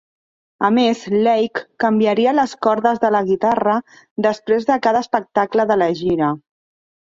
A més, Lake canviaria les cordes de la guitarra després de cada espectacle de la gira.